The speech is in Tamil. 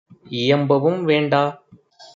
இயம்பவும் வேண்டா!